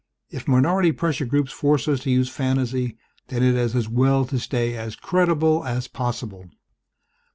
If minority pressure groups force us to use fantasy then it is as well to stay as credible as possible."